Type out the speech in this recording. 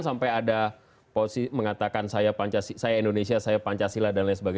sampai ada posisi mengatakan saya indonesia saya pancasila dsb